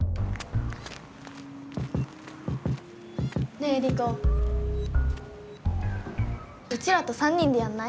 ねえリコうちらと３人でやんない？